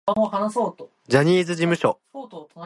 ジャニーズ事務所